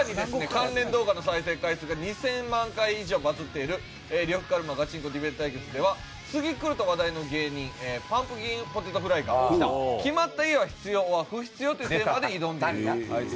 関連動画の再生回数が２０００万回以上バズっている呂布カルマガチンコディベート対決では次来ると話題の芸人パンプキンポテトフライが「決まった家は必要ｏｒ不必要」というテーマで挑んでいると。